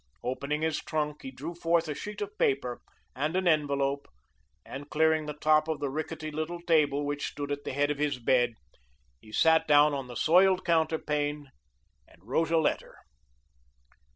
Opening his trunk, he drew forth a sheet of paper and an envelope, and, clearing the top of the rickety little table which stood at the head of his bed, he sat down on the soiled counterpane and wrote a letter.